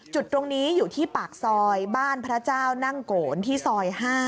จุดตรงนี้อยู่ที่ปากซอยบ้านพระเจ้านั่งโกนที่ซอย๕